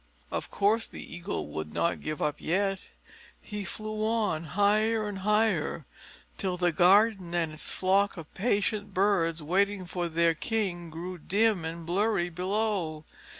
Of course the Eagle would not give up yet. He flew on, higher and higher, till the garden and its flock of patient birds waiting for their king grew dim and blurry below.